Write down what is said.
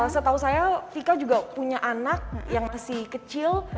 setahu saya vika juga punya anak yang masih kecil